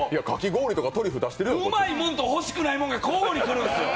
うまいもんと欲しくないもんが交互に来るんですよ。